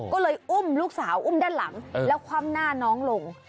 ก็เลยอุ้มลูกสาวอุ้มด้านหลังแล้วคว่ำหน้าน้องลง